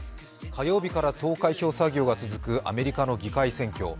火曜日から投開票作業が続くアメリカの議会選挙。